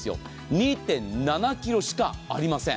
２．７ｋｇしかありません。